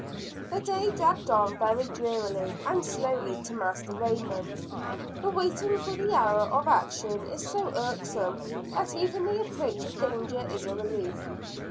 The day dragged on very drearily and slowly to Master Raymond. The waiting for the hour of action is so irksome, that even the approach of danger is a relief.